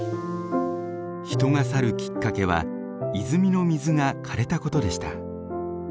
人が去るきっかけは泉の水がかれたことでした。